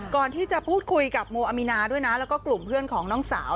ก่อนที่จะพูดคุยกับโมอามีนาด้วยนะแล้วก็กลุ่มเพื่อนของน้องสาว